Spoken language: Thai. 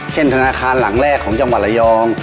ธนาคารหลังแรกของจังหวัดระยอง